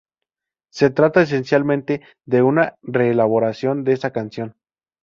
Se trata esencialmente de una re-elaboración de esa canción.